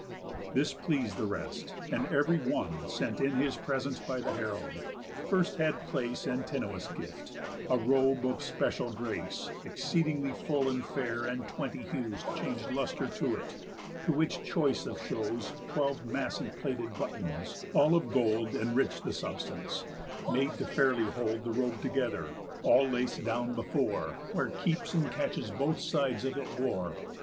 This pleas'd the rest, and ev'ry one sent in His present by the herald. First had place Antinous' gift: A robe of special grace, Exceeding full and fair, and twenty hues Chang'd lustre to it; to which choice of shows, Twelve massy plated buttons, all of gold, Enrich'd the substance, made to fairly hold The robe together, all lac'd down before, Where keeps and catches both sides of it wore.